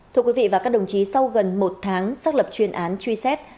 thưa quý vị và các đồng chí sau gần một tháng xác lập chuyên án truy xét